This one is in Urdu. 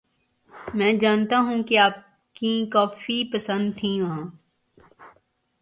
میں جانتا ہیںں کہ آپ کیں کافی پسند تھیں وہاں